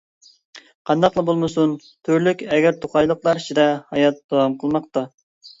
قانداقلا بولمىسۇن، تۈرلۈك ئەگىر توقايلىقلار ئىچىدە ھايات داۋام قىلماقتا.